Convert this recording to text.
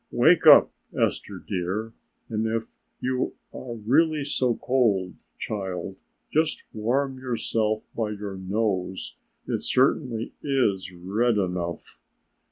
"Wake up, Esther, dear, and if you are really so cold, child, just warm yourself by your nose, it certainly is red enough.